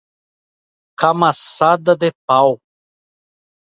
Camaçada de pau